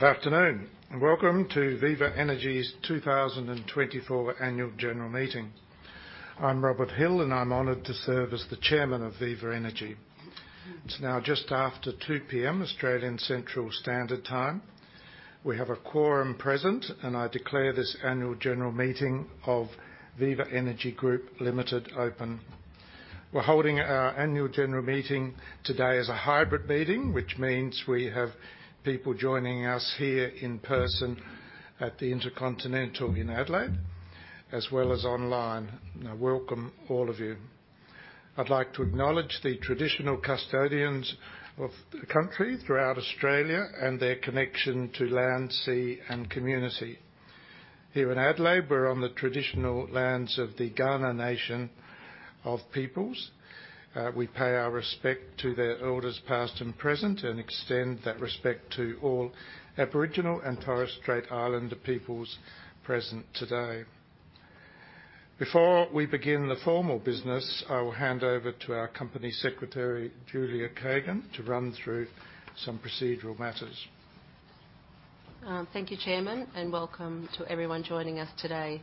Good afternoon, and welcome to Viva Energy's 2024 Annual General Meeting. I'm Robert Hill, and I'm honored to serve as the Chairman of Viva Energy. It's now just after 2:00 P.M., Australian Central Standard Time. We have a quorum present, and I declare this Annual General Meeting of Viva Energy Group Limited open. We're holding our annual general meeting today as a hybrid meeting, which means we have people joining us here in person at the InterContinental Adelaide, as well as online. I welcome all of you. I'd like to acknowledge the traditional custodians of the country throughout Australia and their connection to land, sea, and community. Here in Adelaide, we're on the traditional lands of the Kaurna Nation. We pay our respect to their elders, past and present, and extend that respect to all Aboriginal and Torres Strait Islander peoples present today. Before we begin the formal business, I will hand over to our Company Secretary, Julia Kagan, to run through some procedural matters. Thank you, Chairman, and welcome to everyone joining us today.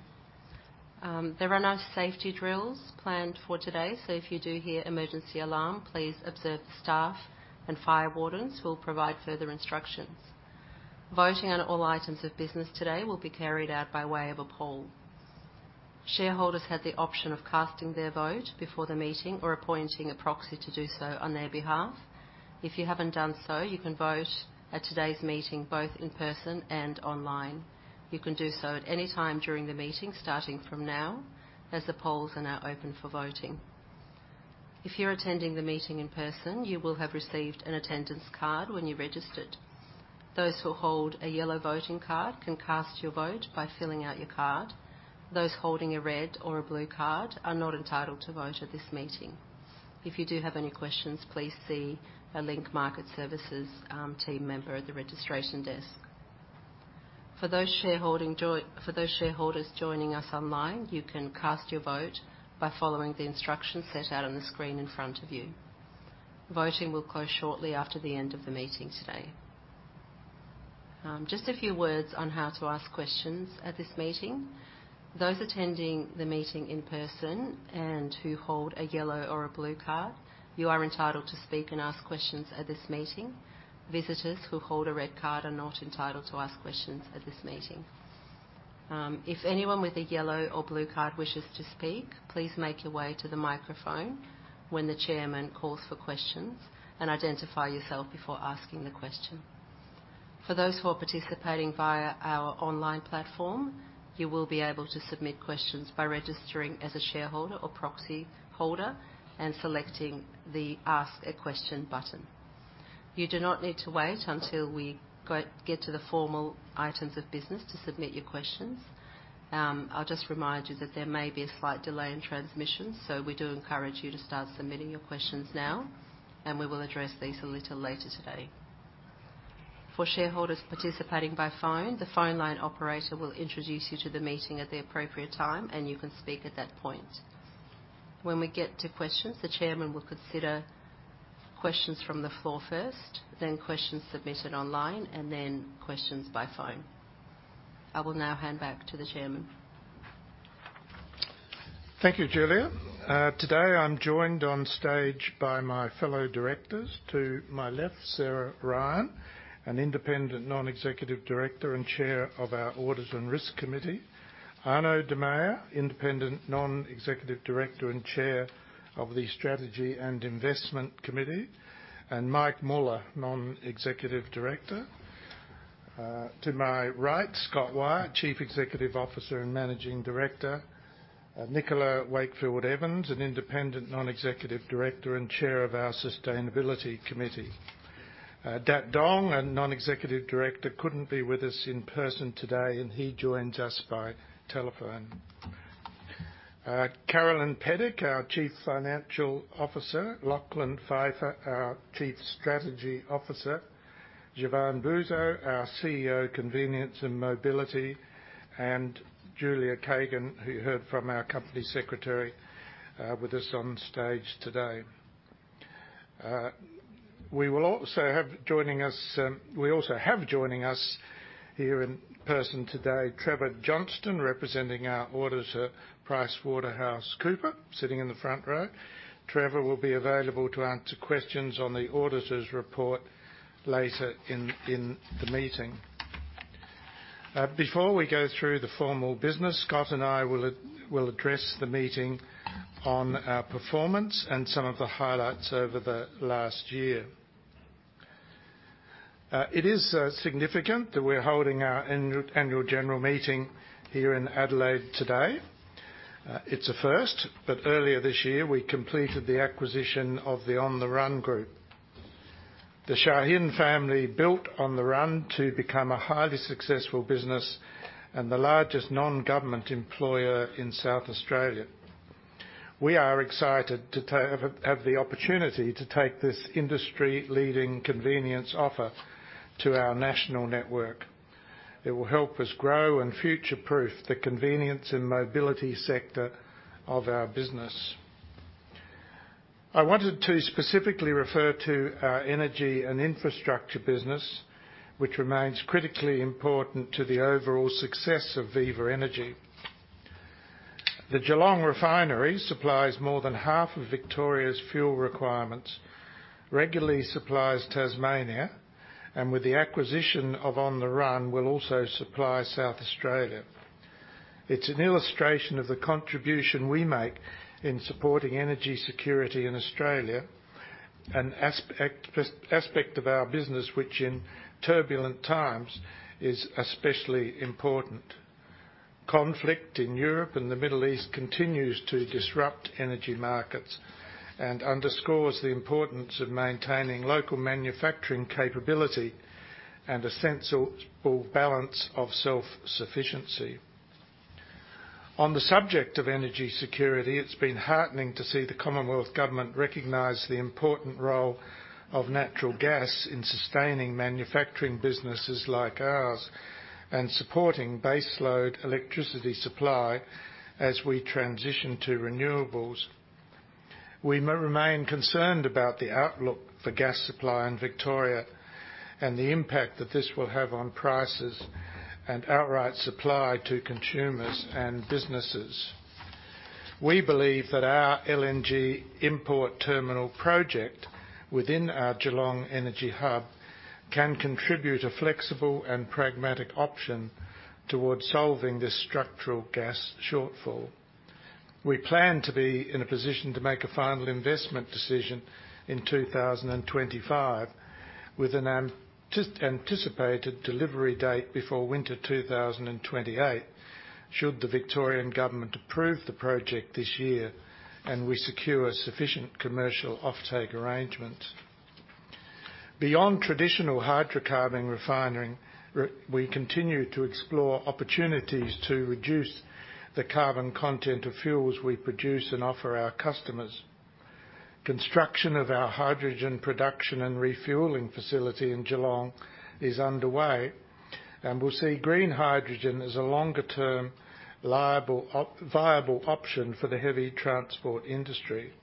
There are no safety drills planned for today, so if you do hear emergency alarm, please observe the staff and fire wardens who will provide further instructions. Voting on all items of business today will be carried out by way of a poll. Shareholders had the option of casting their vote before the meeting or appointing a proxy to do so on their behalf. If you haven't done so, you can vote at today's meeting, both in person and online. You can do so at any time during the meeting, starting from now, as the polls are now open for voting. If you're attending the meeting in person, you will have received an attendance card when you registered. Those who hold a yellow voting card can cast your vote by filling out your card. Those holding a red or a blue card are not entitled to vote at this meeting. If you do have any questions, please see a Link Market Services team member at the registration desk. For those shareholders joining us online, you can cast your vote by following the instructions set out on the screen in front of you. Voting will close shortly after the end of the meeting today. Just a few words on how to ask questions at this meeting. Those attending the meeting in person and who hold a yellow or a blue card, you are entitled to speak and ask questions at this meeting. Visitors who hold a red card are not entitled to ask questions at this meeting. If anyone with a yellow or blue card wishes to speak, please make your way to the microphone when the chairman calls for questions, and identify yourself before asking the question. For those who are participating via our online platform, you will be able to submit questions by registering as a shareholder or proxy holder and selecting the Ask a Question button. You do not need to wait until we get to the formal items of business to submit your questions. I'll just remind you that there may be a slight delay in transmission, so we do encourage you to start submitting your questions now, and we will address these a little later today. For shareholders participating by phone, the phone line operator will introduce you to the meeting at the appropriate time, and you can speak at that point. When we get to questions, the Chairman will consider questions from the floor first, then questions submitted online, and then questions by phone. I will now hand back to the Chairman. Thank you, Julia. Today, I'm joined on stage by my fellow Directors. To my left, Sarah Ryan, an Independent Non-Executive Director and Chair of our Audit and Risk Committee. Arnoud De Meyer, Independent Non-Executive Director and Chair of the Strategy and Investment Committee, and Mike Muller, Non-Executive Director. To my right, Scott Wyatt, Chief Executive Officer and Managing Director. Nicola Wakefield Evans, an Independent Non-Executive Director and Chair of our Sustainability Committee. Dat Duong, a non-executive director, couldn't be with us in person today, and he joins us by telephone. Carolyn Pedic, our Chief Financial Officer, Lachlan Pfeiffer, our Chief Strategy Officer, Jevan Bouzo, our CEO, Convenience and Mobility, and Julia Kagan, who you heard from, our Company Secretary, with us on stage today. We will also have joining us. We also have joining us here in person today, Trevor Johnston, representing our auditor, PricewaterhouseCoopers, sitting in the front row. Trevor will be available to answer questions on the auditor's report later in the meeting. Before we go through the formal business, Scott and I will address the meeting on our performance and some of the highlights over the last year. It is significant that we're holding our annual general meeting here in Adelaide today. It's a first, but earlier this year, we completed the acquisition of the On the Run group. The Shaheen family built On the Run to become a highly successful business and the largest non-government employer in South Australia. We are excited to have the opportunity to take this industry-leading convenience offer to our national network. It will help us grow and future-proof the convenience and mobility sector of our business. I wanted to specifically refer to our energy and infrastructure business, which remains critically important to the overall success of Viva Energy. The Geelong Refinery supplies more than half of Victoria's fuel requirements, regularly supplies Tasmania, and with the acquisition of On the Run, will also supply South Australia. It's an illustration of the contribution we make in supporting energy security in Australia, an aspect of our business, which in turbulent times, is especially important. Conflict in Europe and the Middle East continues to disrupt energy markets and underscores the importance of maintaining local manufacturing capability and a sensible balance of self-sufficiency. On the subject of energy security, it's been heartening to see the Commonwealth Government recognize the important role of natural gas in sustaining manufacturing businesses like ours and supporting baseload electricity supply as we transition to renewables. We remain concerned about the outlook for gas supply in Victoria and the impact that this will have on prices and outright supply to consumers and businesses. We believe that our LNG import terminal project within our Geelong Energy Hub can contribute a flexible and pragmatic option towards solving this structural gas shortfall. We plan to be in a position to make a final investment decision in 2025, with an anticipated delivery date before winter 2028, should the Victorian Government approve the project this year and we secure sufficient commercial offtake arrangements. Beyond traditional hydrocarbon refining, we continue to explore opportunities to reduce the carbon content of fuels we produce and offer our customers. Construction of our hydrogen production and refueling facility in Geelong is underway and will see green hydrogen as a longer-term, viable option for the heavy transport industry.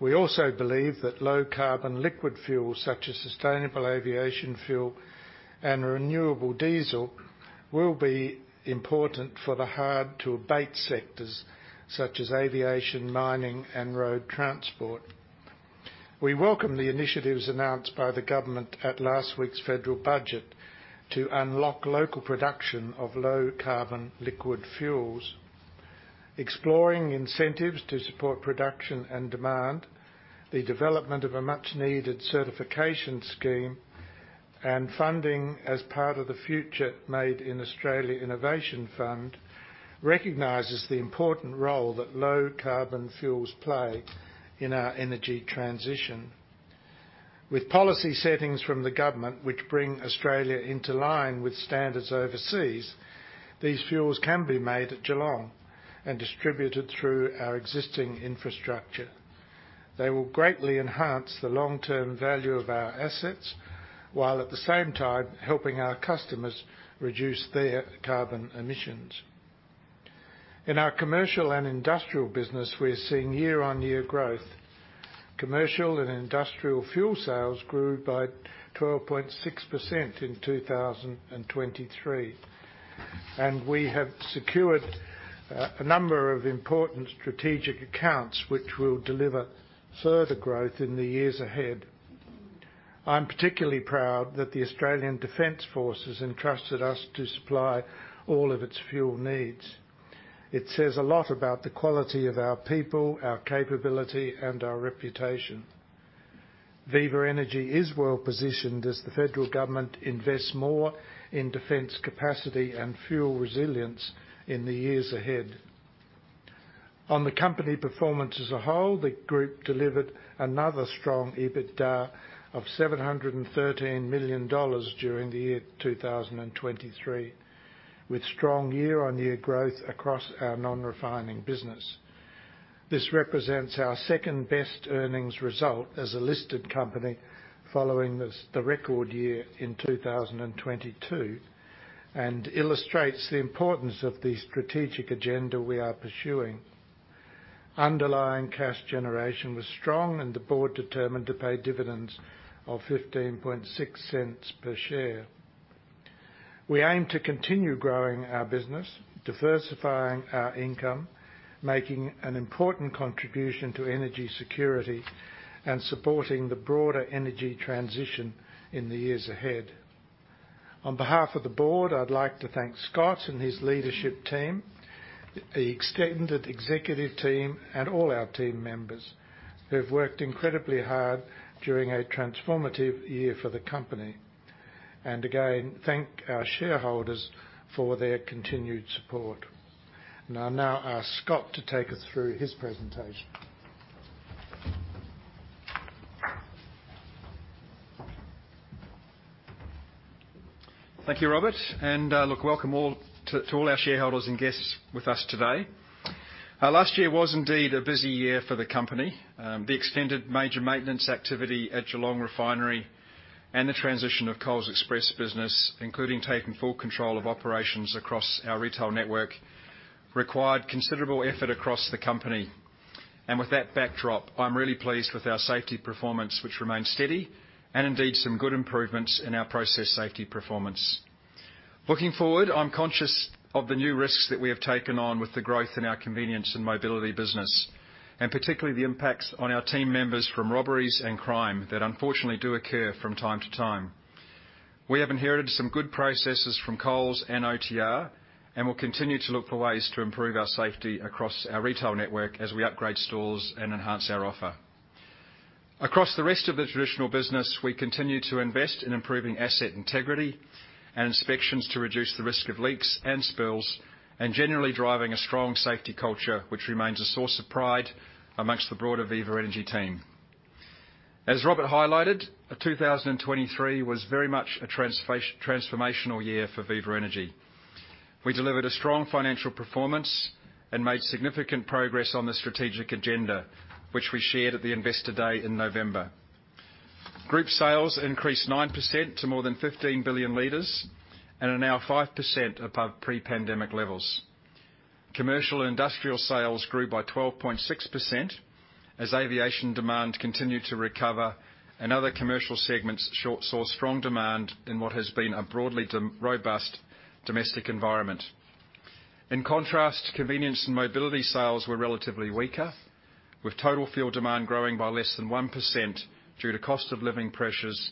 We also believe that low-carbon liquid fuels, such as sustainable aviation fuel and renewable diesel, will be important for the hard-to-abate sectors such as aviation, mining, and road transport. We welcome the initiatives announced by the government at last week's federal budget to unlock local production of low-carbon liquid fuels, exploring incentives to support production and demand, the development of a much-needed certification scheme, and funding as part of the Future Made in Australia Innovation Fund recognizes the important role that low-carbon fuels play in our energy transition. With policy settings from the government, which bring Australia into line with standards overseas, these fuels can be made at Geelong and distributed through our existing infrastructure. They will greatly enhance the long-term value of our assets, while at the same time helping our customers reduce their carbon emissions. In our Commercial and Industrial business, we're seeing year-on-year growth. Commercial and Industrial fuel sales grew by 12.6% in 2023, and we have secured a number of important strategic accounts which will deliver further growth in the years ahead. I'm particularly proud that the Australian Defence Forces entrusted us to supply all of its fuel needs. It says a lot about the quality of our people, our capability, and our reputation. Viva Energy is well-positioned as the federal government invests more in defense capacity and fuel resilience in the years ahead. On the company performance as a whole, the group delivered another strong EBITDA of 713 million dollars during the year 2023, with strong year-on-year growth across our non-refining business. This represents our second-best earnings result as a listed company, following this, the record year in 2022, and illustrates the importance of the strategic agenda we are pursuing. Underlying cash generation was strong, and the board determined to pay dividends of 0.156 per share. We aim to continue growing our business, diversifying our income, making an important contribution to energy security, and supporting the broader energy transition in the years ahead. On behalf of the board, I'd like to thank Scott and his leadership team, the extended Executive team, and all our team members who've worked incredibly hard during a transformative year for the company. Again, thank our shareholders for their continued support. I'll now ask Scott to take us through his presentation. Thank you, Robert. And, look, welcome all to all our shareholders and guests with us today. Last year was indeed a busy year for the company. The extended major maintenance activity at Geelong Refinery and the transition of Coles Express business, including taking full control of operations across our Retail Network, required considerable effort across the company. And with that backdrop, I'm really pleased with our safety performance, which remains steady, and indeed, some good improvements in our process safety performance. Looking forward, I'm conscious of the new risks that we have taken on with the growth in our convenience and mobility business, and particularly, the impacts on our team members from robberies and crime that unfortunately do occur from time to time. We have inherited some good processes from Coles and OTR, and we'll continue to look for ways to improve our safety across our retail network as we upgrade stores and enhance our offer. Across the rest of the traditional business, we continue to invest in improving asset integrity and inspections to reduce the risk of leaks and spills, and generally driving a strong safety culture, which remains a source of pride among the broader Viva Energy team. As Robert highlighted, 2023 was very much a transformational year for Viva Energy. We delivered a strong financial performance and made significant progress on the strategic agenda, which we shared at the Investor Day in November. Group sales increased 9% to more than 15 billion liters and are now 5% above pre-pandemic levels. Commercial and industrial sales grew by 12.6%, as aviation demand continued to recover, and other commercial segments saw strong demand in what has been a broadly robust domestic environment. In contrast, convenience and mobility sales were relatively weaker, with total fuel demand growing by less than 1% due to cost of living pressures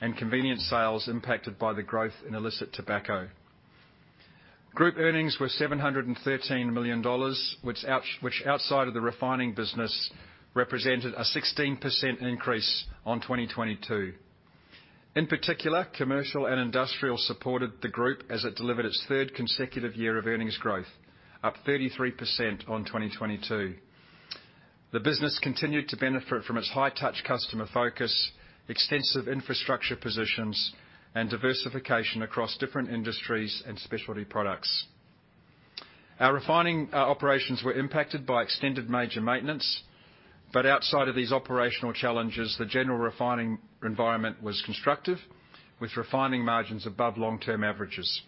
and convenience sales impacted by the growth in illicit tobacco. Group earnings were 713 million dollars, which outside of the refining business, represented a 16% increase on 2022. In particular, Commercial and Industrial supported the group as it delivered its third consecutive year of earnings growth, up 33% on 2022. The business continued to benefit from its high-touch customer focus, extensive infrastructure positions, and diversification across different industries and specialty products. Our refining operations were impacted by extended major maintenance, but outside of these operational challenges, the general refining environment was constructive, with refining margins above long-term averages.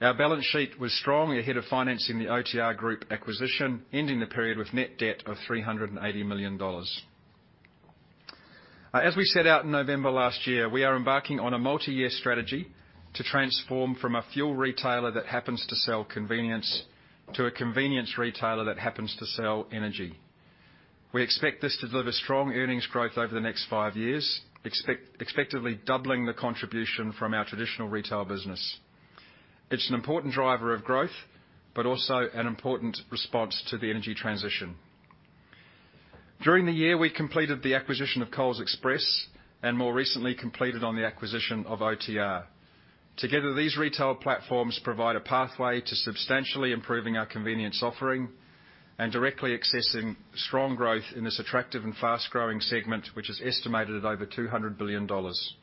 Our balance sheet was strong ahead of financing the OTR Group acquisition, ending the period with net debt of 380 million dollars. As we set out in November last year, we are embarking on a multi-year strategy to transform from a fuel retailer that happens to sell convenience, to a convenience retailer that happens to sell energy. We expect this to deliver strong earnings growth over the next five years, expectantly doubling the contribution from our traditional retail business. It's an important driver of growth, but also an important response to the energy transition. During the year, we completed the acquisition of Coles Express, and more recently, completed on the acquisition of OTR. Together, these retail platforms provide a pathway to substantially improving our convenience offering and directly accessing strong growth in this attractive and fast-growing segment, which is estimated at over 200 billion dollars.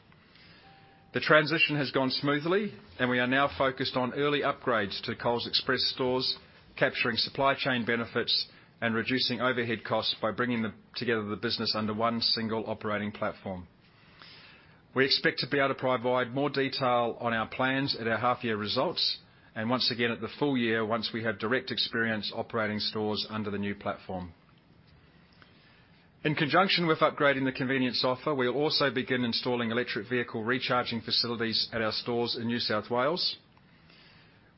The transition has gone smoothly, and we are now focused on early upgrades to Coles Express stores, capturing supply chain benefits, and reducing overhead costs by bringing them together the business under one single operating platform. We expect to be able to provide more detail on our plans at our half year results, and once again, at the full-year, once we have direct experience operating stores under the new platform. In conjunction with upgrading the convenience offer, we'll also begin installing electric vehicle recharging facilities at our stores in New South Wales.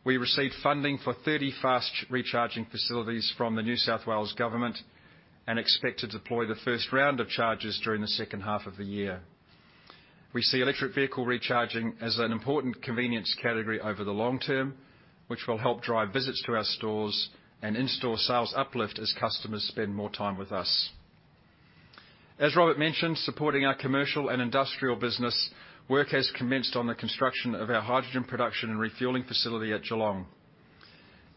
We received funding for 30 fast charging recharging facilities from the New South Wales Government, and expect to deploy the first round of charges during the second half of the year. We see electric vehicle recharging as an important convenience category over the long-term, which will help drive visits to our stores and in-store sales uplift as customers spend more time with us. As Robert mentioned, supporting our Commercial and Industrial business, work has commenced on the construction of our hydrogen production and refueling facility at Geelong.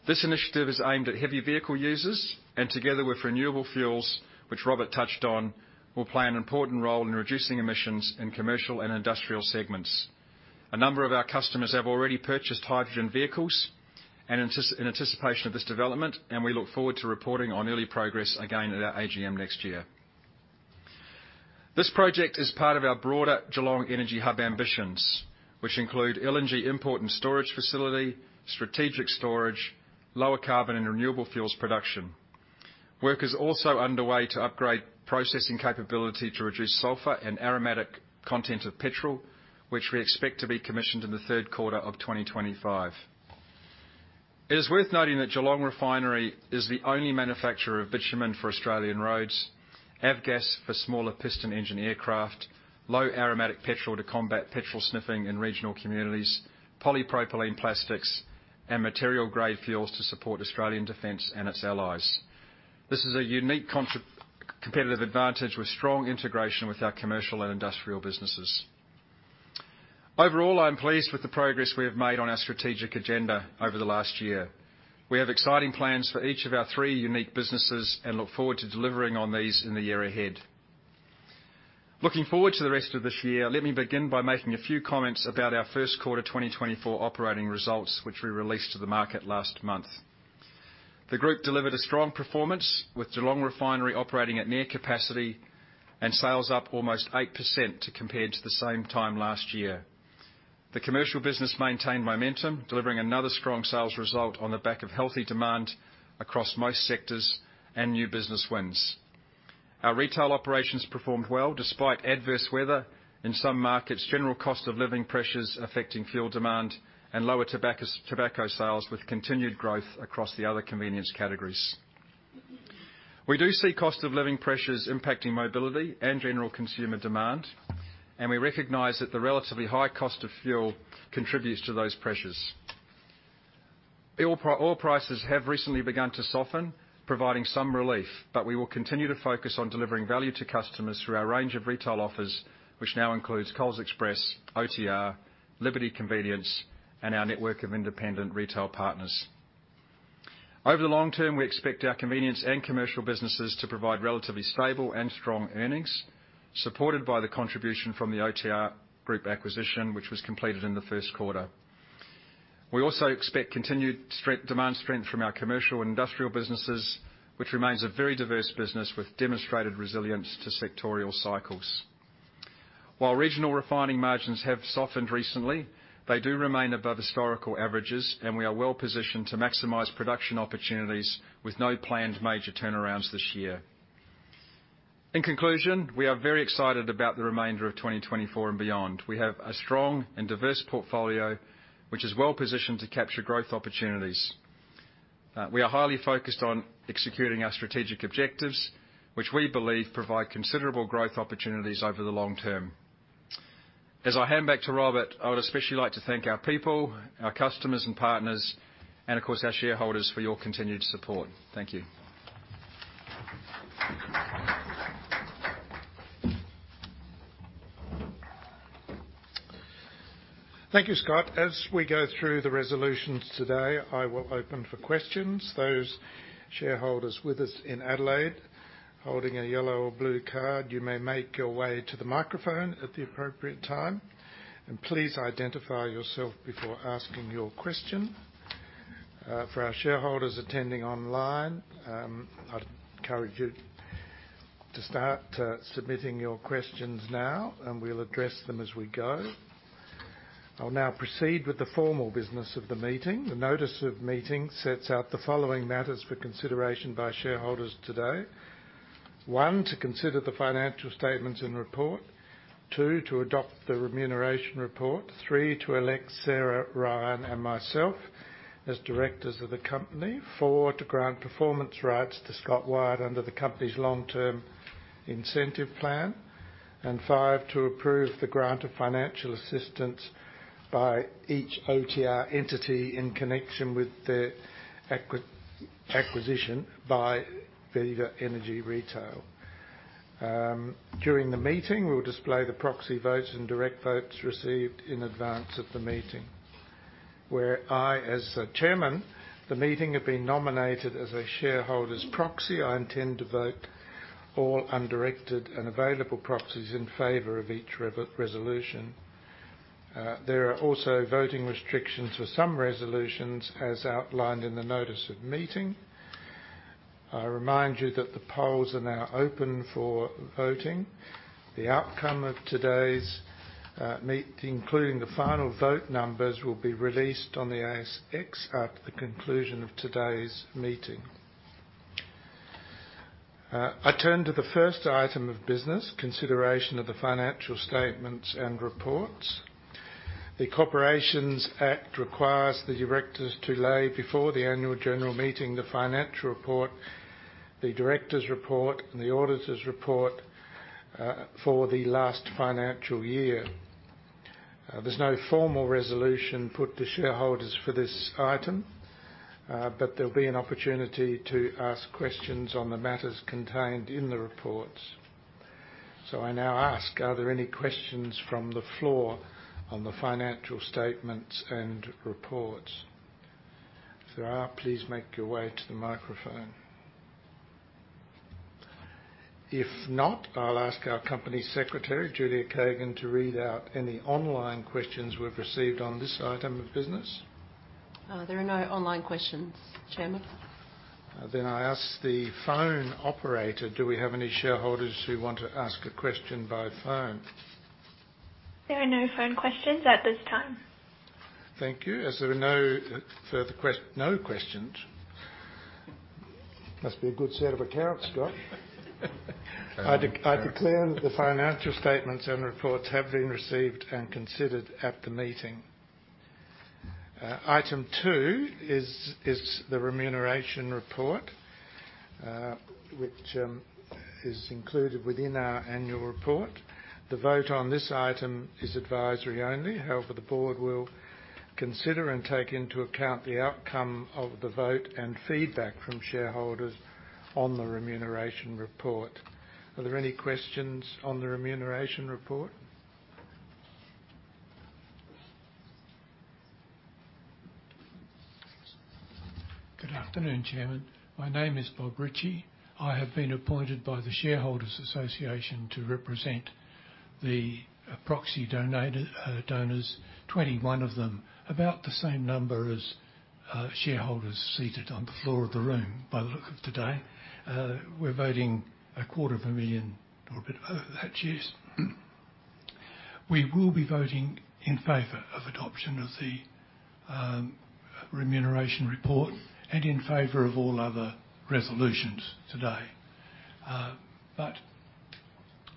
This initiative is aimed at heavy vehicle users, and together with renewable fuels, which Robert touched on, will play an important role in reducing emissions in commercial and industrial segments. A number of our customers have already purchased hydrogen vehicles and in anticipation of this development, and we look forward to reporting on early progress again at our AGM next year. This project is part of our broader Geelong Energy Hub ambitions, which include LNG import and storage facility, strategic storage, lower carbon and renewable fuels production. Work is also underway to upgrade processing capability to reduce sulfur and aromatic content of petrol, which we expect to be commissioned in the third quarter of 2025. It is worth noting that Geelong Refinery is the only manufacturer of bitumen for Australian roads, Avgas for smaller piston engine aircraft, Low Aromatic Petrol to combat petrol sniffing in regional communities, polypropylene plastics, and military-grade fuels to support Australian Defence and its allies. This is a unique competitive advantage with strong integration with our commercial and industrial businesses. Overall, I'm pleased with the progress we have made on our strategic agenda over the last year. We have exciting plans for each of our three unique businesses and look forward to delivering on these in the year ahead. Looking forward to the rest of this year, let me begin by making a few comments about our first quarter 2024 operating results, which we released to the market last month. The group delivered a strong performance, with Geelong Refinery operating at near capacity and sales up almost 8% compared to the same time last year. The commercial business maintained momentum, delivering another strong sales result on the back of healthy demand across most sectors and new business wins. Our retail operations performed well, despite adverse weather in some markets, general cost of living pressures affecting fuel demand, and lower tobacco, tobacco sales, with continued growth across the other convenience categories. We do see cost of living pressures impacting mobility and general consumer demand, and we recognize that the relatively high cost of fuel contributes to those pressures. Oil prices have recently begun to soften, providing some relief, but we will continue to focus on delivering value to customers through our range of retail offers, which now includes Coles Express, OTR, Liberty Convenience, and our network of Independent Retail Partners. Over the long-term, we expect our Convenience and Commercial businesses to provide relatively stable and strong earnings, supported by the contribution from the OTR Group acquisition, which was completed in the first quarter. We also expect continued demand strength from our commercial and industrial businesses, which remains a very diverse business with demonstrated resilience to sectoral cycles. While regional refining margins have softened recently, they do remain above historical averages, and we are well positioned to maximize production opportunities with no planned major turnarounds this year. In conclusion, we are very excited about the remainder of 2024 and beyond. We have a strong and diverse portfolio, which is well positioned to capture growth opportunities. We are highly focused on executing our strategic objectives, which we believe provide considerable growth opportunities over the long-term. As I hand back to Robert, I would especially like to thank our people, our customers and partners, and of course, our shareholders, for your continued support. Thank you. Thank you, Scott. As we go through the resolutions today, I will open for questions. Those shareholders with us in Adelaide, holding a yellow or blue card, you may make your way to the microphone at the appropriate time, and please identify yourself before asking your question. For our shareholders attending online, I'd encourage you to start submitting your questions now, and we'll address them as we go. I'll now proceed with the formal business of the meeting. The notice of meeting sets out the following matters for consideration by shareholders today: One, to consider the financial statements and report. Two, to adopt the remuneration report. Three, to elect Sarah Ryan and myself as Directors of the company. Four, to grant performance rights to Scott Wyatt under the company's long-term incentive plan. And five, to approve the grant of financial assistance by each OTR entity in connection with the acquisition by Viva Energy Retail. During the meeting, we'll display the proxy votes and direct votes received in advance of the meeting. Where I, as Chairman of the meeting, have been nominated as a shareholder's proxy, I intend to vote all undirected and available proxies in favor of each resolution. There are also voting restrictions for some resolutions, as outlined in the notice of meeting. I remind you that the polls are now open for voting. The outcome of today's meeting, including the final vote numbers, will be released on the ASX at the conclusion of today's meeting. I turn to the first item of business, consideration of the financial statements and reports. The Corporations Act requires the Directors to lay before the Annual General Meeting, the Financial Report, the Director's Report, and the Auditor's Report, for the last financial year. There's no formal resolution put to shareholders for this item, but there'll be an opportunity to ask questions on the matters contained in the reports. So I now ask, are there any questions from the floor on the financial statements and reports? If there are, please make your way to the microphone. If not, I'll ask our company secretary, Julia Kagan, to read out any online questions we've received on this item of business. There are no online questions, Chairman. I ask the phone operator, do we have any shareholders who want to ask a question by phone? There are no phone questions at this time. Thank you. As there are no further questions, must be a good set of accounts, Scott. I declare that the financial statements and reports have been received and considered at the meeting. Item two is the Remuneration Report, which is included within our Annual Report. The vote on this item is advisory only. However, the board will consider and take into account the outcome of the vote and feedback from shareholders on the Remuneration Report. Are there any questions on the Remuneration Report? Good afternoon, Chairman. My name is Bob Ritchie. I have been appointed by the Shareholders Association to represent the proxy donors, 21 of them, about the same number as shareholders seated on the floor of the room, by the look of today. We're voting 250,000, or a bit over that, yes. We will be voting in favor of adoption of the remuneration report and in favor of all other resolutions today. But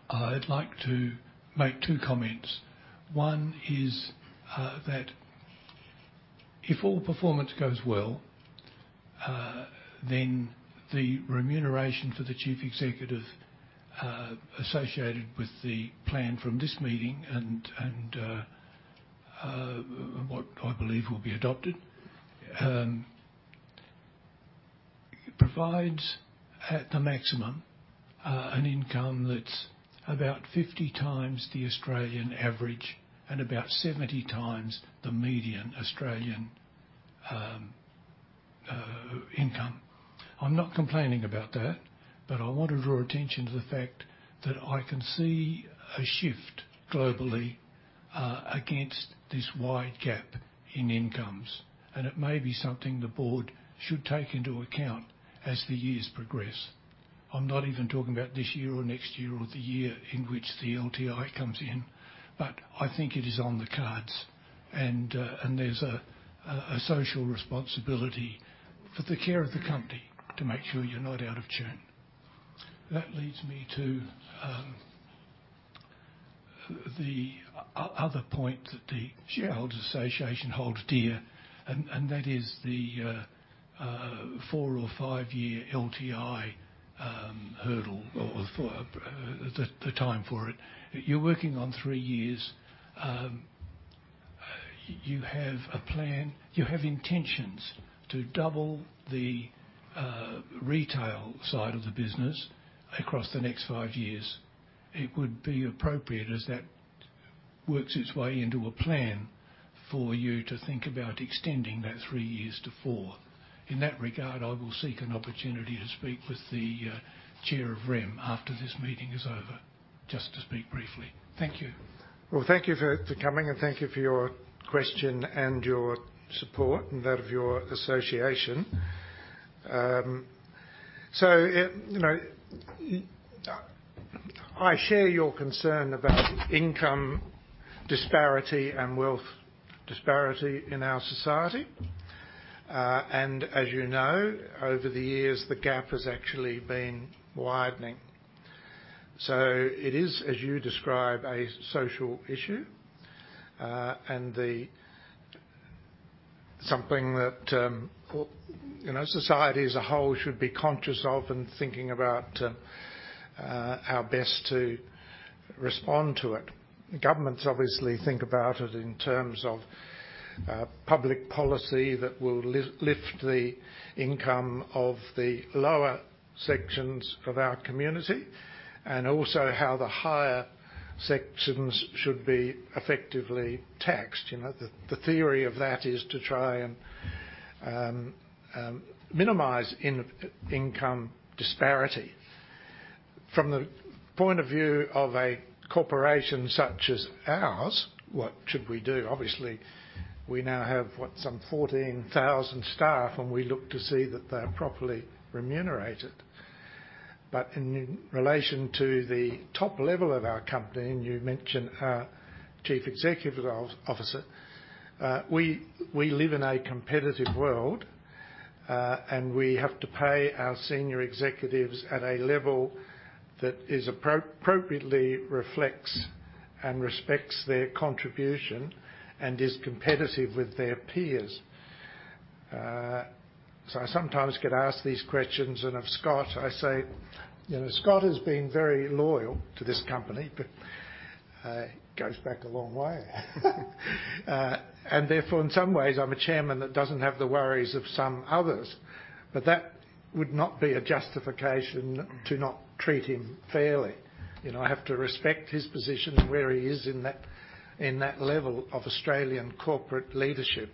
I'd like to make two comments. One is that if all performance goes well, then the remuneration for the Chief Executive associated with the plan from this meeting and what I believe will be adopted provides at the maximum an income that's about 50x the Australian average and about 70x the median Australian income. I'm not complaining about that, but I want to draw attention to the fact that I can see a shift globally against this wide gap in incomes, and it may be something the board should take into account as the years progress. I'm not even talking about this year or next year or the year in which the LTI comes in, but I think it is on the cards, and there's a social responsibility for the care of the company to make sure you're not out of tune. That leads me to the other point that the Shareholders Association holds dear, and that is the four or five-year LTI hurdle, or for the time for it. You're working on three years. You have a plan. You have intentions to double the retail side of the business across the next five years. It would be appropriate as that works its way into a plan for you to think about extending that three years to four. In that regard, I will seek an opportunity to speak with the chair of REM after this meeting is over, just to speak briefly. Thank you. Well, thank you for coming, and thank you for your question and your support and that of your association. So, you know, I share your concern about income disparity and wealth disparity in our society. And as you know, over the years, the gap has actually been widening. So it is, as you describe, a social issue, and the something that, you know, society as a whole should be conscious of and thinking about, how best to respond to it. Governments obviously think about it in terms of, public policy that will lift the income of the lower sections of our community, and also how the higher sections should be effectively taxed. You know, the theory of that is to try and minimize income disparity. From the point of view of a corporation such as ours, what should we do? Obviously, we now have, what, some 14,000 staff, and we look to see that they are properly remunerated. But in relation to the top level of our company, and you mentioned our Chief Executive Officer, we live in a competitive world, and we have to pay our Senior Executives at a level that appropriately reflects and respects their contribution and is competitive with their peers. So I sometimes get asked these questions, and of Scott, I say, "You know, Scott has been very loyal to this company," but it goes back a long way. And therefore, in some ways, I'm a Chairman that doesn't have the worries of some others, but that would not be a justification to not treat him fairly. You know, I have to respect his position and where he is in that, in that level of Australian corporate leadership,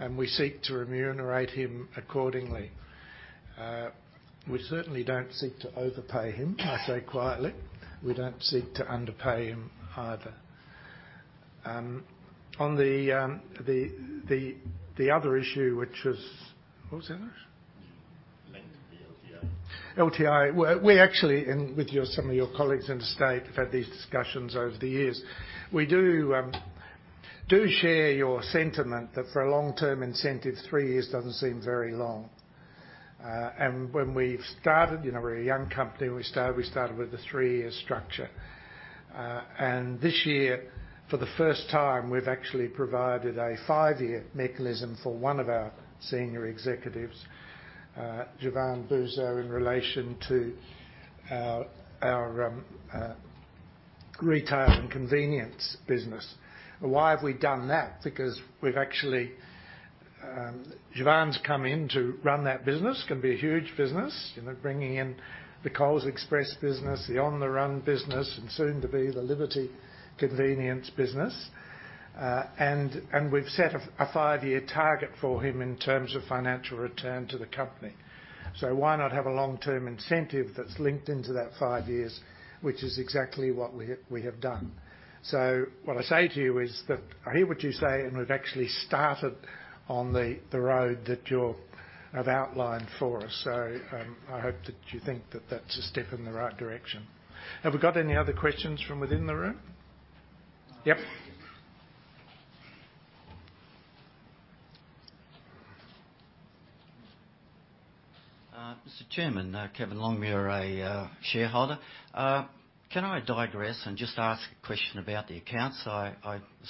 and we seek to remunerate him accordingly. We certainly don't seek to overpay him, I say quietly. We don't seek to underpay him either. On the other issue, which was. What was the other issue? Linked to the LTI. LTI. Well, we actually, and with your, some of your colleagues in the state, have had these discussions over the years. We do do share your sentiment that for a long-term incentive, three years doesn't seem very long. When we started, you know, we're a young company, we started with a three-year structure. This year, for the first time, we've actually provided a five-year mechanism for one of our Senior Executives, Jevan Bouzo, in relation to our Retail and Convenience business. Why have we done that? Because we've actually Jevan's come in to run that business. It's going to be a huge business, you know, bringing in the Coles Express business, the On the Run business, and soon to be the Liberty Convenience business. We've set a five-year target for him in terms of financial return to the company. So why not have a long-term incentive that's linked into that five years, which is exactly what we have, we have done. So what I say to you is that I hear what you say, and we've actually started on the road that you have outlined for us. So I hope that you think that that's a step in the right direction. Have we got any other questions from within the room? Yep. Mr. Chairman, Kevin Longmire, a shareholder. Can I digress and just ask a question about the accounts? I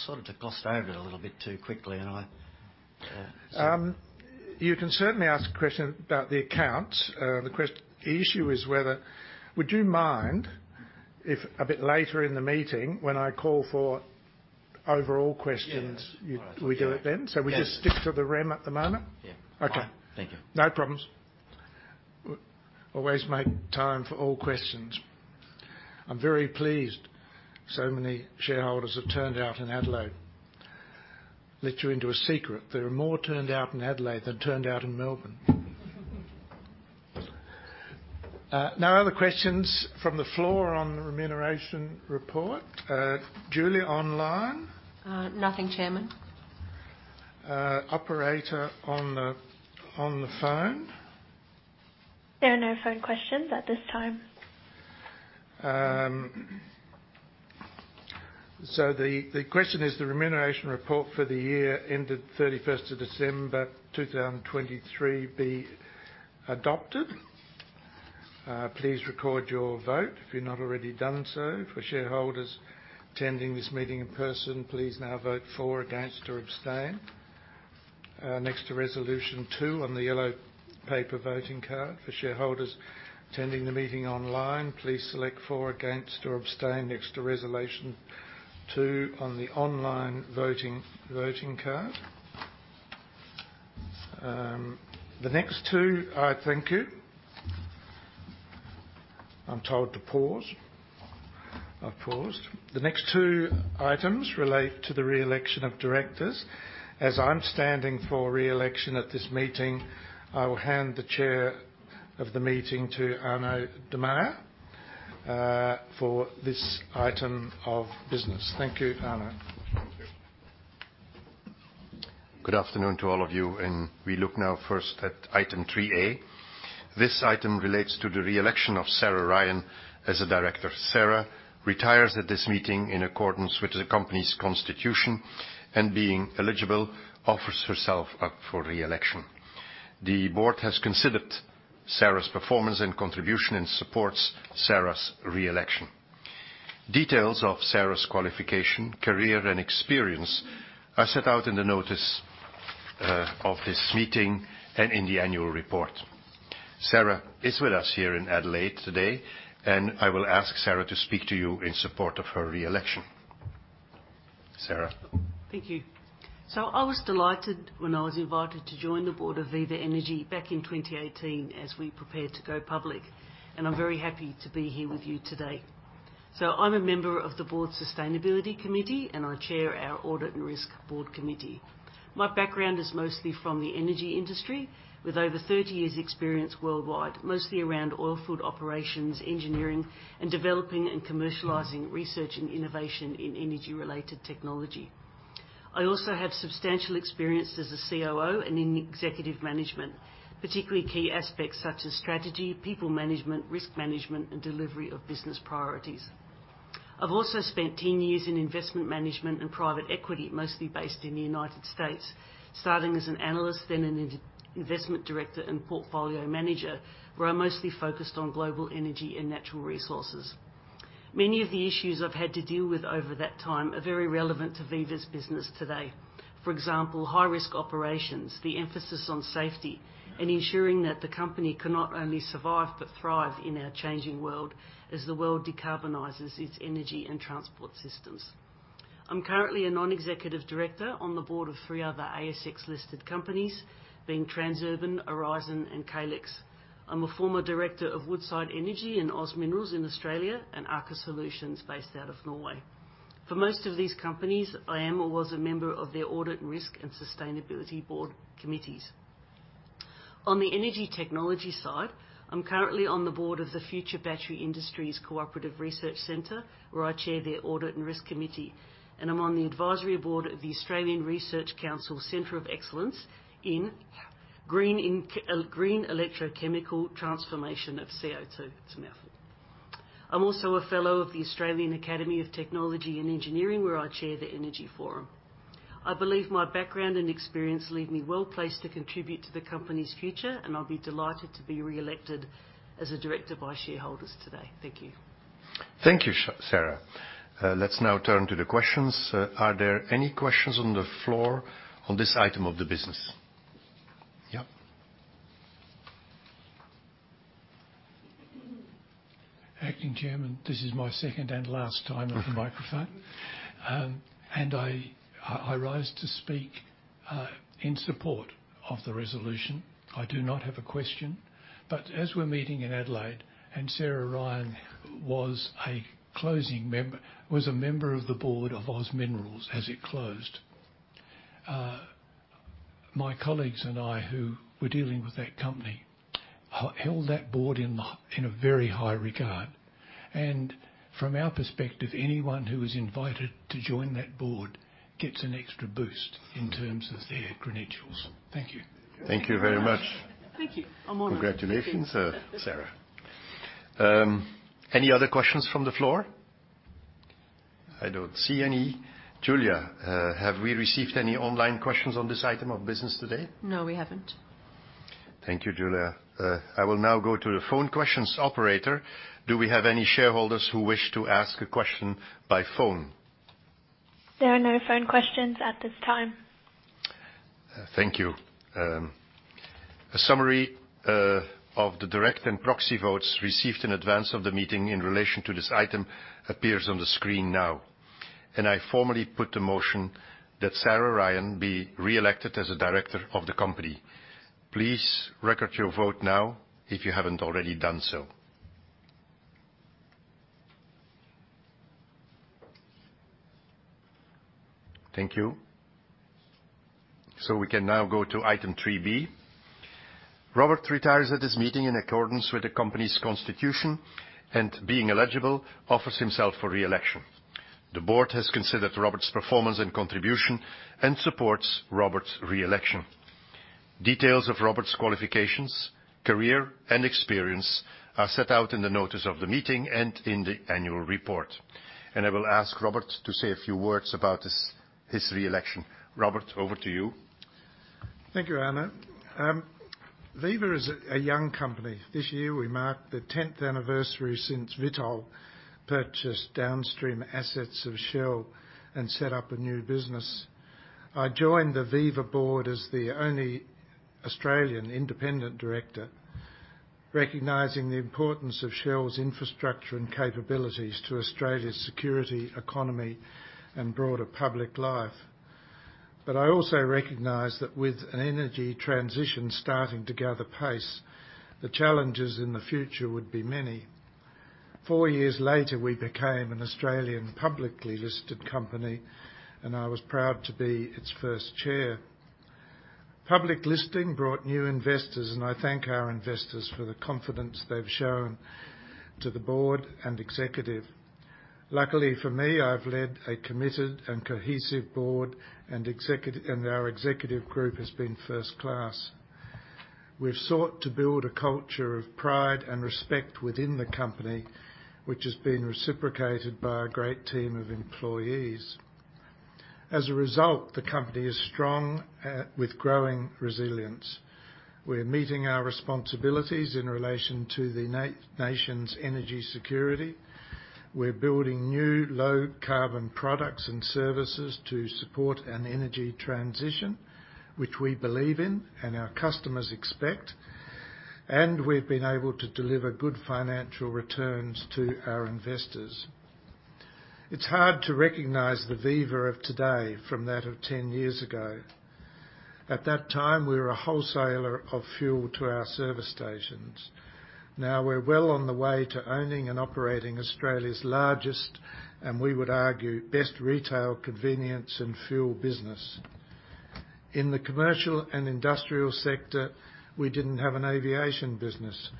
sort of glossed over it a little bit too quickly, and I. You can certainly ask a question about the accounts. The issue is whether... Would you mind if a bit later in the meeting, when I call for overall questions- Yes. We do it then? Yes. So we just stick to the rem at the moment? Yeah. Okay. Thank you. No problems. We always make time for all questions. I'm very pleased so many shareholders have turned out in Adelaide. Let you into a secret, there are more turned out in Adelaide than turned out in Melbourne. No other questions from the floor on the remuneration report? Julia, online? Nothing, Chairman. Operator on the, on the phone? There are no phone questions at this time. So the, the question is, the remuneration report for the year ended 31st of December, 2023 be adopted. Please record your vote if you've not already done so. For shareholders attending this meeting in person, please now vote for, against, or abstain next to resolution two on the yellow paper voting card. For shareholders attending the meeting online, please select for, against, or abstain next to resolution two on the online voting, voting card. The next two. Thank you. I'm told to pause. I've paused. The next two items relate to the re-election of Directors. As I'm standing for re-election at this meeting, I will hand the chair of the meeting to Arnoud De Meyer for this item of business. Thank you, Arnoud. Thank you. Good afternoon to all of you, and we look now first at Item 3A. This item relates to the re-election of Sarah Ryan as a Director. Sarah retires at this meeting in accordance with the company's constitution, and being eligible, offers herself up for re-election. The board has considered Sarah's performance and contribution and supports Sarah's re-election. Details of Sarah's qualification, career, and experience are set out in the notice of this meeting and in the Annual Report. Sarah is with us here in Adelaide today, and I will ask Sarah to speak to you in support of her re-election. Sarah? Thank you. So I was delighted when I was invited to join the board of Viva Energy back in 2018 as we prepared to go public, and I'm very happy to be here with you today. So I'm a member of the Sustainability Committee, and I Chair our Audit and Risk Committee. My background is mostly from the energy industry, with over 30 years experience worldwide, mostly around oil field operations, engineering, and developing and commercializing research and innovation in energy-related technology. I also have substantial experience as a COO and in Executive Management, particularly key aspects such as strategy, people management, risk management, and delivery of business priorities. I've also spent 10 years in Investment Management and Private Equity, mostly based in the United States, starting as an Analyst, then an Investment Director and Portfolio Manager, where I mostly focused on global energy and natural resources. Many of the issues I've had to deal with over that time are very relevant to Viva's business today. For example, high-risk operations, the emphasis on safety, and ensuring that the company can not only survive but thrive in our changing world as the world decarbonizes its energy and transport systems. I'm currently a non-executive director on the board of three other ASX-listed companies, being Transurban, Aurizon, and Calix. I'm a former director of Woodside Energy and OZ Minerals in Australia, and Akastor, based out of Norway. For most of these companies, I am or was a member of their Audit, Risk, and Sustainability Board committees. On the energy technology side, I'm currently on the Board of the Future Battery Industries Cooperative Research Centre, where I Chair their Audit and Risk Committee, and I'm on the Advisory Board of the Australian Research Council Centre of Excellence for Green Electrochemical Transformation of CO2. It's a mouthful. I'm also a fellow of the Australian Academy of Technology and Engineering, where I chair the Energy Forum. I believe my background and experience leave me well-placed to contribute to the company's future, and I'll be delighted to be re-elected as a director by shareholders today. Thank you. Thank you, Sarah. Let's now turn to the questions. Are there any questions on the floor on this item of the business? Yeah. Acting Chairman, this is my second and last time on the microphone. And I rise to speak in support of the resolution. I do not have a question, but as we're meeting in Adelaide, and Sarah Ryan was a member of the board of OZ Minerals as it closed. My colleagues and I, who were dealing with that company, held that board in a very high regard, and from our perspective, anyone who was invited to join that board gets an extra boost in terms of their credentials. Thank you. Thank you very much. Thank you. I'm honored. Congratulations, Sarah. Any other questions from the floor? I don't see any. Julia, have we received any online questions on this item of business today? No, we haven't. Thank you, Julia. I will now go to the phone questions. Operator, do we have any shareholders who wish to ask a question by phone? There are no phone questions at this time. Thank you. A summary of the direct and proxy votes received in advance of the meeting in relation to this item appears on the screen now. I formally put the motion that Sarah Ryan be re-elected as a Director of the company. Please record your vote now, if you haven't already done so. Thank you. We can now go to item three B. Robert retires at this meeting in accordance with the company's constitution, and being eligible, offers himself for re-election. The board has considered Robert's performance and contribution and supports Robert's re-election. Details of Robert's qualifications, career, and experience are set out in the notice of the meeting and in the annual report. I will ask Robert to say a few words about his re-election. Robert, over to you. Thank you, Arnoud. Viva is a young company. This year, we mark the 10th Anniversary since Vitol purchased downstream assets of Shell and set up a new business. I joined the Viva board as the only Australian Independent Director, recognizing the importance of Shell's infrastructure and capabilities to Australia's security, economy, and broader public life. But I also recognized that with an energy transition starting to gather pace, the challenges in the future would be many. Four years later, we became an Australian publicly listed company, and I was proud to be its first Chair. Public listing brought new investors, and I thank our investors for the confidence they've shown to the Board and Executive. Luckily for me, I've led a committed and cohesive board and executive, and our Executive group has been first class. We've sought to build a culture of pride and respect within the company, which has been reciprocated by a great team of employees. As a result, the company is strong, with growing resilience. We're meeting our responsibilities in relation to the nation's energy security. We're building new low carbon products and services to support an energy transition, which we believe in and our customers expect, and we've been able to deliver good financial returns to our investors. It's hard to recognize the Viva of today from that of 10 years ago. At that time, we were a wholesaler of fuel to our service stations. Now we're well on the way to owning and operating Australia's largest, and we would argue, best Retail, Convenience, and Fuel business. In the Commercial and Cndustrial sector, we didn't have an aviation business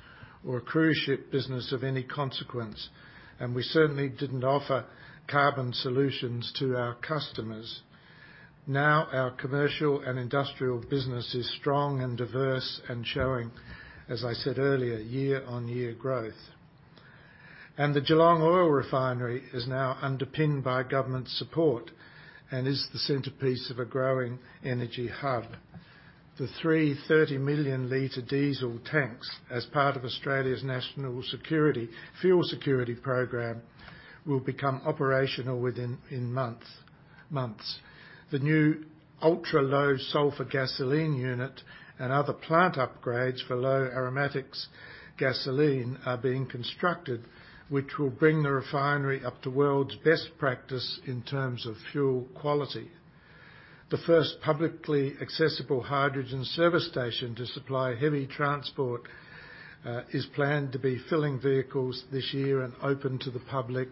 or a cruise ship business of any consequence, and we certainly didn't offer carbon solutions to our customers. Now, our Commercial and Industrial business is strong and diverse and showing, as I said earlier, year-on-year growth. The Geelong oil refinery is now underpinned by government support and is the centerpiece of a growing energy hub. The three 30-million-liter diesel tanks, as part of Australia's National Security, Fuel Security program, will become operational within months. The new ultra-low sulfur gasoline unit and other plant upgrades for low aromatics gasoline are being constructed, which will bring the refinery up to world's best practice in terms of fuel quality. The first publicly accessible hydrogen service station to supply heavy transport is planned to be filling vehicles this year and open to the public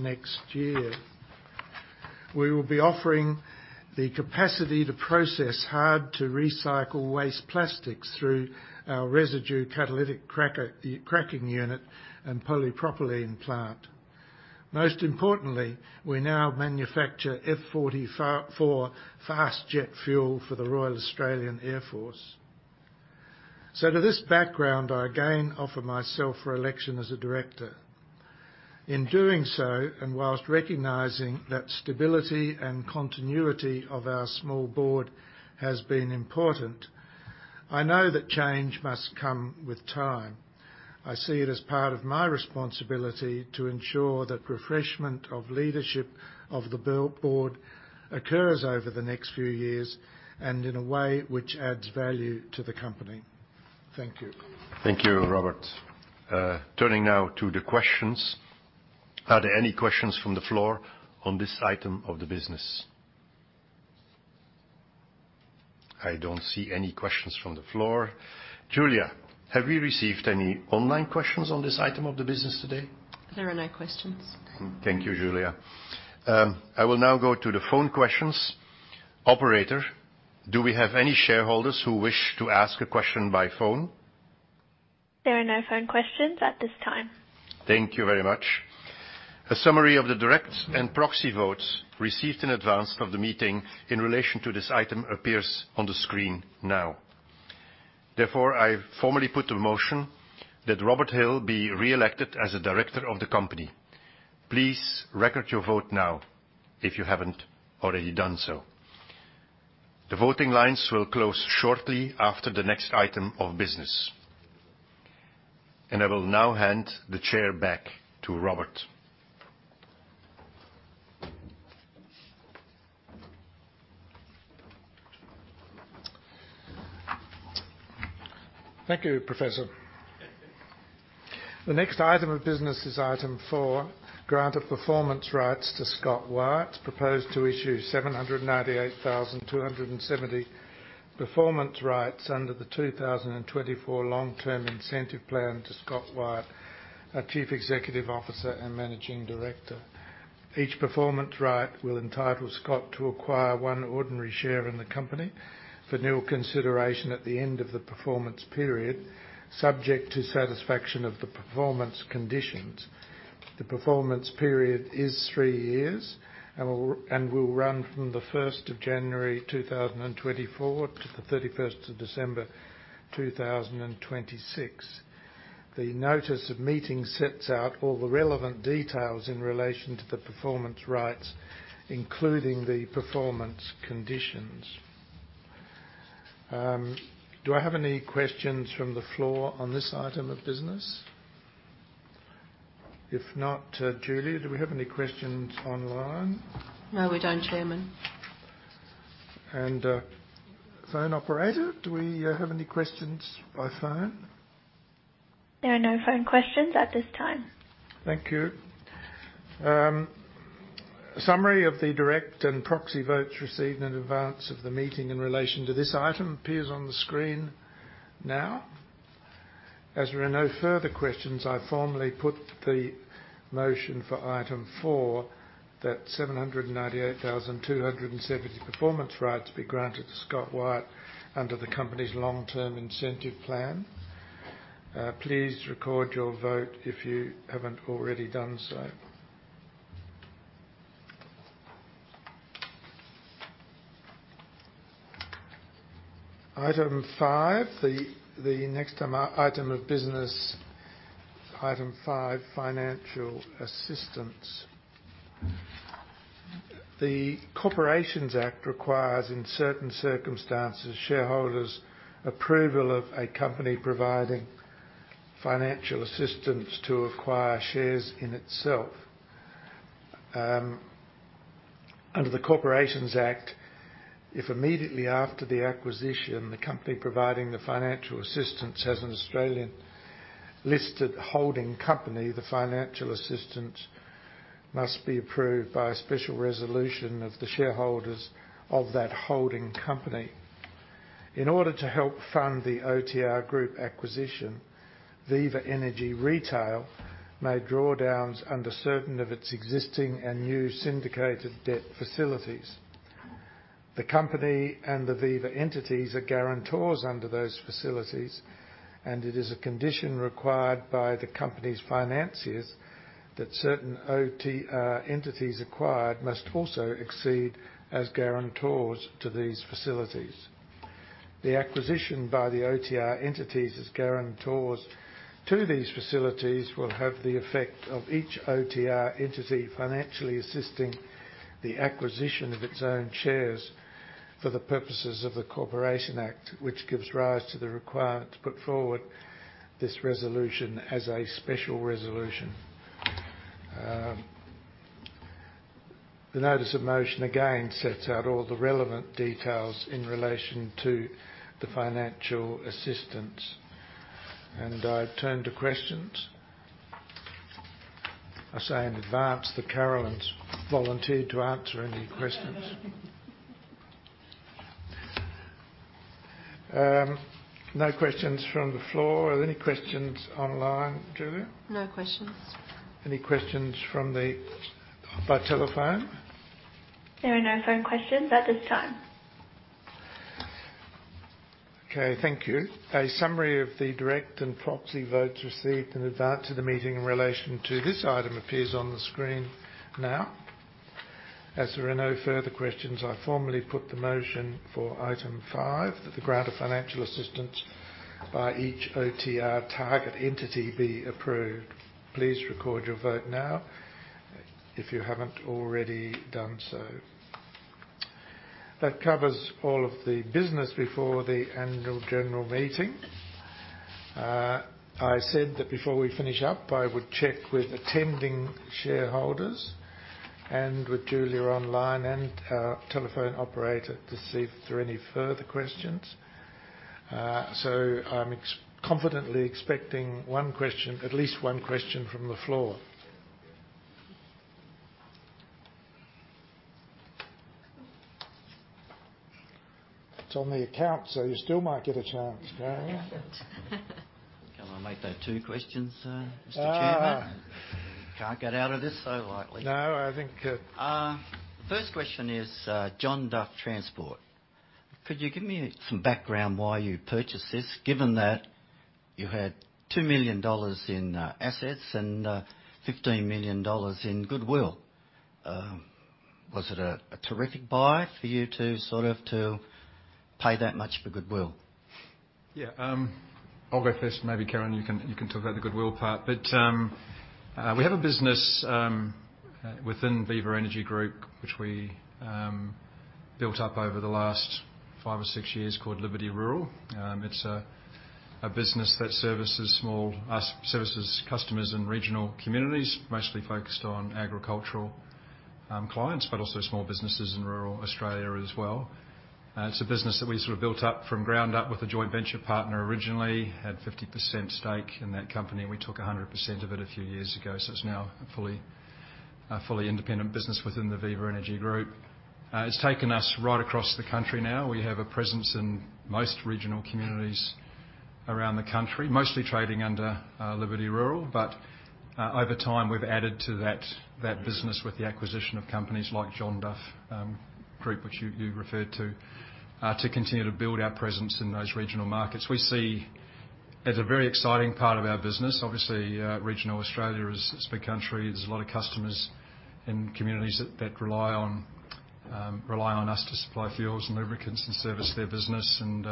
next year. We will be offering the capacity to process hard-to-recycle waste plastics through our residue catalytic cracking unit and polypropylene plant. Most importantly, we now manufacture F-44 fast jet fuel for the Royal Australian Air Force. So to this background, I again offer myself for election as a director. In doing so, and while recognizing that stability and continuity of our small board has been important, I know that change must come with time. I see it as part of my responsibility to ensure that refreshment of leadership of the board occurs over the next few years and in a way which adds value to the company. Thank you. Thank you, Robert. Turning now to the questions. Are there any questions from the floor on this item of the business? I don't see any questions from the floor. Julia, have we received any online questions on this item of the business today? There are no questions. Thank you, Julia. I will now go to the phone questions. Operator, do we have any shareholders who wish to ask a question by phone? There are no phone questions at this time. Thank you very much. A summary of the direct and proxy votes received in advance of the meeting in relation to this item appears on the screen now. Therefore, I formally put to motion that Robert Hill be re-elected as a director of the company. Please record your vote now, if you haven't already done so. The voting lines will close shortly after the next item of business. I will now hand the chair back to Robert. Thank you, Professor. The next item of business is item four, grant of performance rights to Scott Wyatt, proposed to issue 798,270 performance rights under the 2024 long-term incentive plan to Scott Wyatt, our Chief Executive Officer and Managing Director. Each performance right will entitle Scott to acquire one ordinary share in the company for no consideration at the end of the performance period, subject to satisfaction of the performance conditions. The performance period is three years and will run from the first of January 2024 to the 31st December 2026. The notice of meeting sets out all the relevant details in relation to the performance rights, including the performance conditions. Do I have any questions from the floor on this item of business? If not, Julia, do we have any questions online? No, we don't, Chairman. Phone operator, do we have any questions by phone? There are no phone questions at this time. Thank you. Summary of the direct and proxy votes received in advance of the meeting in relation to this item appears on the screen now. As there are no further questions, I formally put the motion for item four, that 798,270 performance rights be granted to Scott Wyatt under the company's long-term incentive plan. Please record your vote if you haven't already done so. Item five, the next item of business, item five, financial assistance. The Corporations Act requires, in certain circumstances, shareholders' approval of a company providing financial assistance to acquire shares in itself. Under the Corporations Act, if immediately after the acquisition, the company providing the financial assistance has an Australian-listed holding company, the financial assistance must be approved by a special resolution of the shareholders of that holding company. In order to help fund the OTR Group acquisition, Viva Energy Retail made drawdowns under certain of its existing and new syndicated debt facilities. The company and the Viva entities are guarantors under those facilities, and it is a condition required by the company's financiers that certain OTR entities acquired must also accede as guarantors to these facilities. The accession by the OTR entities as guarantors to these facilities will have the effect of each OTR entity financially assisting the acquisition of its own shares for the purposes of the Corporations Act, which gives rise to the requirement to put forward this resolution as a special resolution. The notice of motion, again, sets out all the relevant details in relation to the financial assistance. I turn to questions. I say in advance that Carolyn's volunteered to answer any questions. No questions from the floor. Are there any questions online, Julia? No questions. Any questions from the by telephone? There are no phone questions at this time. Okay, thank you. A summary of the direct and proxy votes received in advance of the meeting in relation to this item appears on the screen now. As there are no further questions, I formally put the motion for item five, that the grant of financial assistance by each OTR target entity be approved. Please record your vote now, if you haven't already done so. That covers all of the business before the Annual General Meeting. I said that before we finish up, I would check with attending shareholders and with Julia online and our telephone operator to see if there are any further questions. So, I'm confidently expecting one question, at least one question from the floor. It's on the account, so you still might get a chance. Can I make that two questions, Mr. Chairman? Can't get out of this so lightly. No, I think, First question is, John Duff Transport. Could you give me some background why you purchased this, given that you had 2 million dollars in assets and 15 million dollars in goodwill. Was it a terrific buy for you to sort of to pay that much for goodwill? Yeah, I'll go first, and maybe, Carolyn, you can talk about the goodwill part. But we have a business within Viva Energy Group, which we built up over the last 5 or 6 years, called Liberty Rural. It's a business that services customers in regional communities, mostly focused on agricultural clients, but also small businesses in rural Australia as well. It's a business that we sort of built up from ground up with a joint venture partner originally. Had 50% stake in that company, and we took 100% of it a few years ago. So it's now a fully independent business within the Viva Energy Group. It's taken us right across the country now. We have a presence in most regional communities around the country, mostly trading under Liberty Rural. But over time, we've added to that, that business with the acquisition of companies like John Duff Group, which you, you referred to, to continue to build our presence in those regional markets. We see as a very exciting part of our business. Obviously, regional Australia is, it's big country. There's a lot of customers and communities that, that rely on, rely on us to supply fuels and lubricants and service their business. And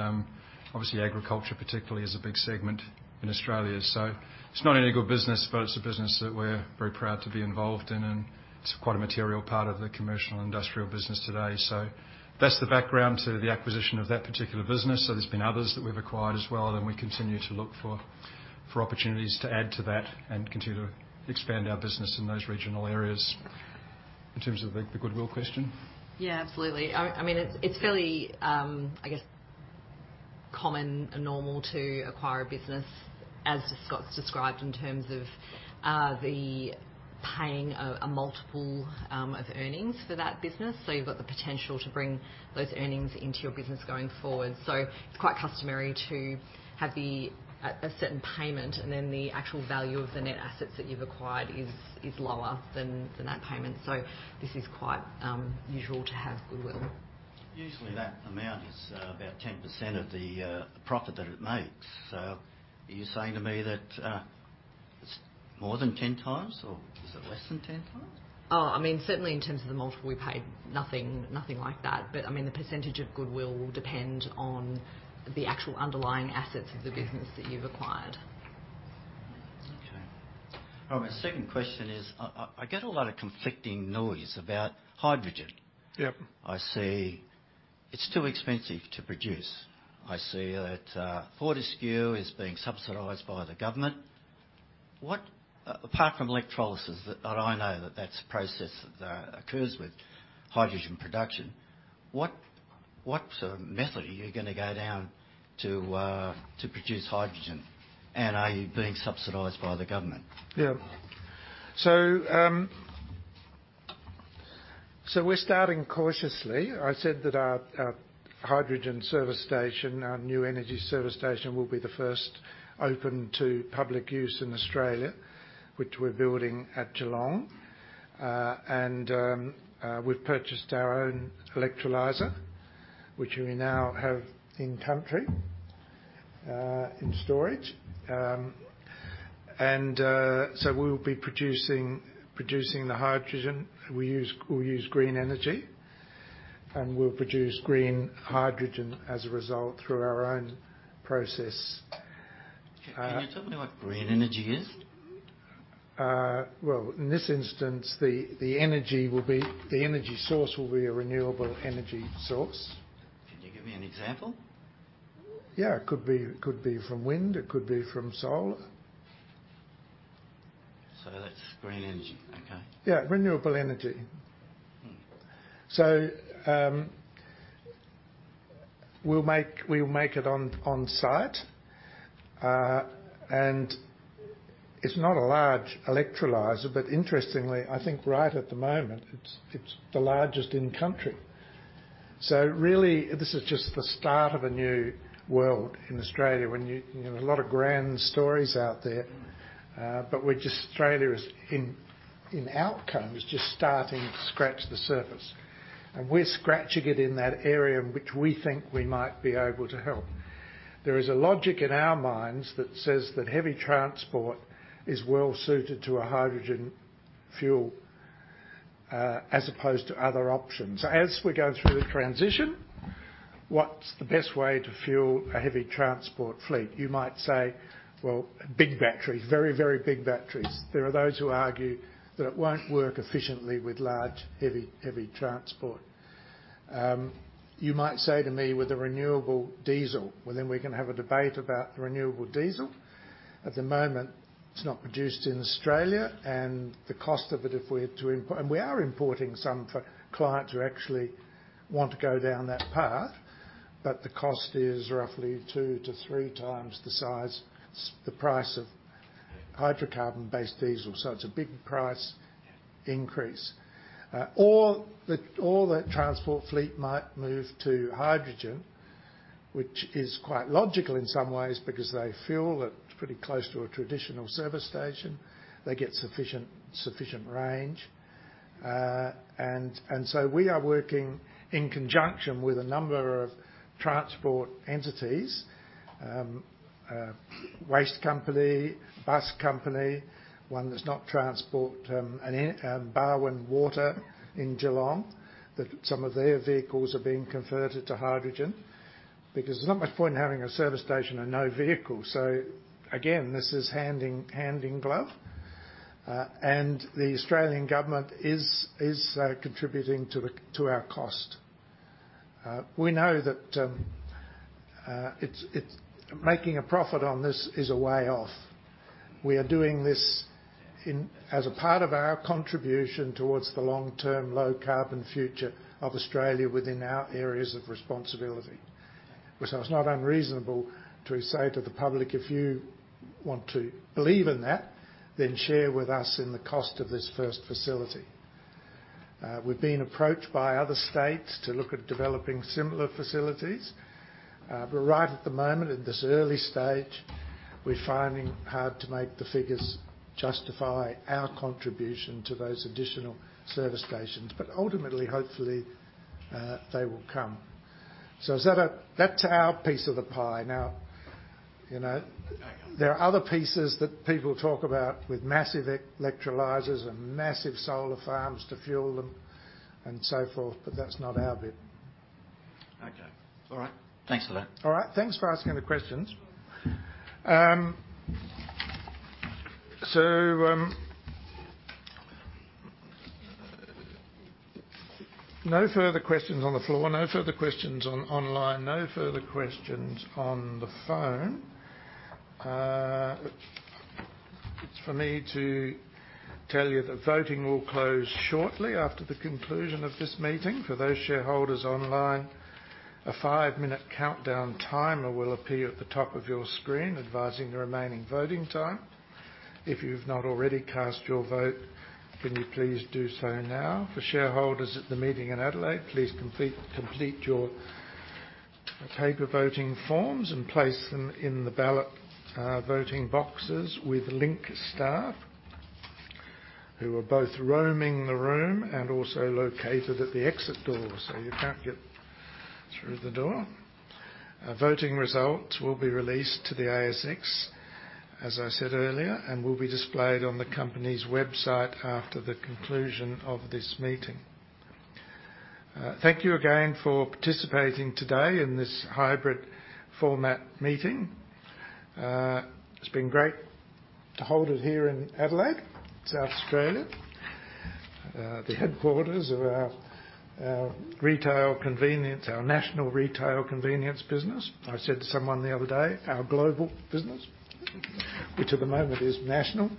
obviously, agriculture, particularly, is a big segment in Australia. So it's not any good business, but it's a business that we're very proud to be involved in, and it's quite a material part of the commercial and industrial business today. So that's the background to the acquisition of that particular business. So there's been others that we've acquired as well, and we continue to look for opportunities to add to that and continue to expand our business in those regional areas. In terms of the goodwill question? Yeah, absolutely. I mean, it's fairly, I guess, common and normal to acquire a business, as Scott described, in terms of the paying a multiple of earnings for that business. So you've got the potential to bring those earnings into your business going forward. So it's quite customary to have a certain payment, and then the actual value of the net assets that you've acquired is lower than that payment, so this is quite usual to have goodwill. Usually, that amount is about 10% of the profit that it makes. So are you saying to me that it's more than 10x, or is it less than 10x? Oh, I mean, certainly in terms of the multiple we paid, nothing, nothing like that. But, I mean, the percentage of goodwill will depend on the actual underlying assets of the business that you've acquired. Okay. My second question is, I get a lot of conflicting noise about hydrogen. Yep. I see it's too expensive to produce. I see that Fortescue is being subsidized by the government. Apart from electrolysis, that I know that's a process that occurs with hydrogen production, what method are you gonna go down to to produce hydrogen? And are you being subsidized by the government? Yeah. So, we're starting cautiously. I said that our hydrogen service station, our New Energy Service Station, will be the first open to public use in Australia, which we're building at Geelong. We've purchased our own electrolyser, which we now have in country, in storage. So we'll be producing the hydrogen. We'll use green energy, and we'll produce green hydrogen as a result through our own process. Can you tell me what green energy is? Well, in this instance, the energy source will be a renewable energy source. Can you give me an example? Yeah. It could be, it could be from wind. It could be from solar. So that's green energy? Okay. Yeah, renewable energy. So, we'll make it on site. And it's not a large electrolyser, but interestingly, I think right at the moment, it's the largest in the country. So really, this is just the start of a new world in Australia. When you... You know, a lot of grand stories out there But we're just, Australia is in outcome is just starting to scratch the surface, and we're scratching it in that area in which we think we might be able to help. There is a logic in our minds that says that heavy transport is well suited to a hydrogen fuel, as opposed to other options. As we go through the transition, what's the best way to fuel a heavy transport fleet? You might say, "Well, big batteries. Very, very big batteries." There are those who argue that it won't work efficiently with large, heavy, heavy transport. You might say to me, "With a renewable diesel," well, then we can have a debate about the renewable diesel. At the moment, it's not produced in Australia, and the cost of it, if we're to import. We are importing some for clients who actually want to go down that path, but the cost is roughly 2x-3x the size, the price of hydrocarbon-based diesel, so it's a big price increase. Or the transport fleet might move to hydrogen, which is quite logical in some ways because they fuel it pretty close to a traditional service station. They get sufficient range. And so we are working in conjunction with a number of transport entities, waste company, bus company, one that's not transport, and Barwon Water in Geelong, that some of their vehicles are being converted to hydrogen, because there's not much point in having a service station and no vehicle. So again, this is hand in glove, and the Australian government is contributing to our cost. We know that it's making a profit on this is a way off. We are doing this as a part of our contribution towards the long-term, low-carbon future of Australia within our areas of responsibility. So it's not unreasonable to say to the public, "If you want to believe in that, then share with us in the cost of this first facility." We've been approached by other states to look at developing similar facilities. But right at the moment, at this early stage, we're finding hard to make the figures justify our contribution to those additional service stations. But ultimately, hopefully, they will come. So is that a that's our piece of the pie. Now, you know, there are other pieces that people talk about with massive electrolysers and massive solar farms to fuel them, and so forth, but that's not our bit. Okay, all right. Thanks for that. All right. Thanks for asking the questions. So, no further questions on the floor? No further questions online? No further questions on the phone. It's for me to tell you that voting will close shortly after the conclusion of this meeting. For those shareholders online, a five-minute countdown timer will appear at the top of your screen, advising the remaining voting time. If you've not already cast your vote, can you please do so now? For shareholders at the meeting in Adelaide, please complete your paper voting forms and place them in the ballot voting boxes with Link staff, who are both roaming the room and also located at the exit door, so you can't get through the door. Our voting results will be released to the ASX, as I said earlier, and will be displayed on the company's website after the conclusion of this meeting. Thank you again for participating today in this hybrid format meeting. It's been great to hold it here in Adelaide, South Australia, the headquarters of our retail convenience, our national retail convenience business. I said to someone the other day, our global business, which at the moment is national.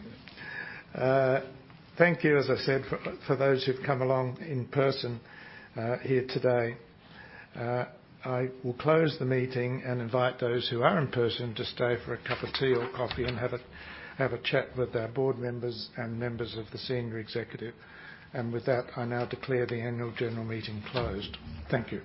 Thank you, as I said, for those who've come along in person here today. I will close the meeting and invite those who are in person to stay for a cup of tea or coffee and have a chat with our board members and members of the senior executive. And with that, I now declare the Annual General Meeting closed. Thank you.